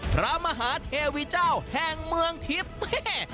พระมหาเทวีเจ้าแห่งเมืองทิพย์แม่